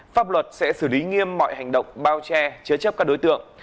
pháp luật sẽ xử lý nghiêm mọi hành động bao che chứa chấp các đối tượng